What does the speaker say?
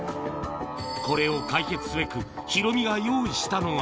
これを解決すべく、ヒロミが用意したのは。